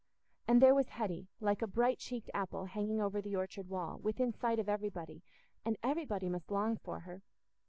And there was Hetty, like a bright cheeked apple hanging over the orchard wall, within sight of everybody, and everybody must long for her!